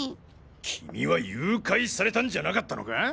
君は誘拐されたんじゃなかったのか？